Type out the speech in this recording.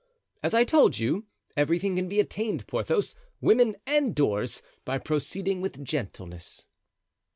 "As I told you, everything can be attained, Porthos, women and doors, by proceeding with gentleness."